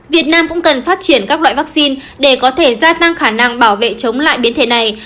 việt nam cũng cần phát triển các loại vaccine để có thể gia tăng khả năng bảo vệ chống lại biến thể này